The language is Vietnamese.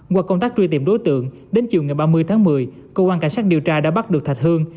qua công tác truy tìm đối tượng đến chiều ngày ba mươi tháng một mươi cơ quan cảnh sát điều tra đã bắt được thạch hương